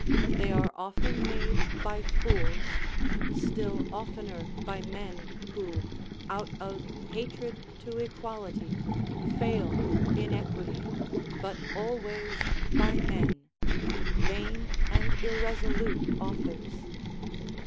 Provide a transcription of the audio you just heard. They are often made by fools, still oftener by men who, out of hatred to equality, fail in equity, but always by men, vain and irresolute authors.